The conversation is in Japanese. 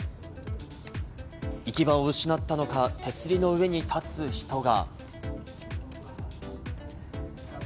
行き場を失ったのか、手すりの上に立つ人が。